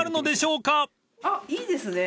あっいいですね